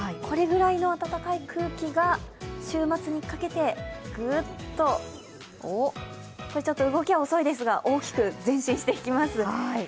これぐらいの暖かい空気が週末にかけてぐーっと、ちょっと動きは遅いですが大きく前進していきます。